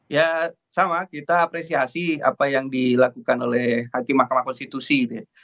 ya sama kita apresiasi apa yang dilakukan oleh hakim mahkamah konstitusi gitu ya